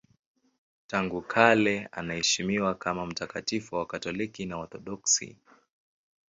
Tangu kale anaheshimiwa kama mtakatifu na Wakatoliki na Waorthodoksi.